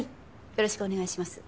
よろしくお願いします。